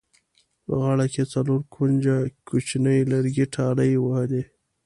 په غاړه کې یې څلور کونجه کوچیني لرګي ټالۍ وهلې.